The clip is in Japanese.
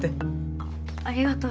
あっありがとう。